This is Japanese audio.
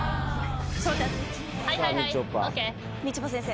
はいはいはいＯＫみちょぱ先生